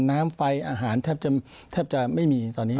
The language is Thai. น้ำไฟอาหารแทบจะไม่มีตอนนี้